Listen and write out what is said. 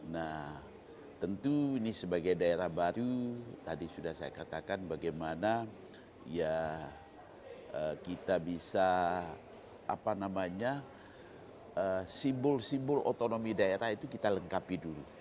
nah tentu ini sebagai daerah baru tadi sudah saya katakan bagaimana ya kita bisa apa namanya simbol simbol otonomi daerah itu kita lengkapi dulu